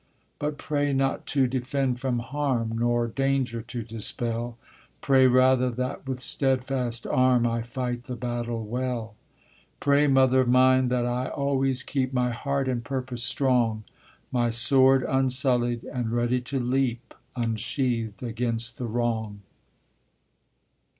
But pray not to defend from harm, Nor danger to dispel; Pray, rather that with steadfast arm I fight the battle well. Pray, mother of mine, that I always keep My heart and purpose strong, My sword unsullied and ready to leap Unsheathed against the wrong.